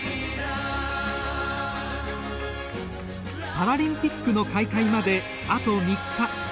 パラリンピックの開会まであと３日。